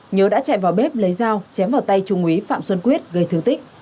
nhớ đã chạy vào bếp lấy dao chém vào tay trung úy phạm xuân quyết gây thương tích